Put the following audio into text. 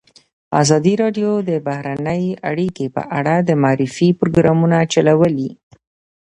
ازادي راډیو د بهرنۍ اړیکې په اړه د معارفې پروګرامونه چلولي.